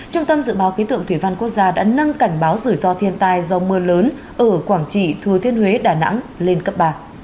trung tâm dự báo khí tượng thủy văn quốc gia đã nâng cảnh báo rủi ro thiên tai do mưa lớn ở quảng trị thừa thiên huế đà nẵng lên cấp ba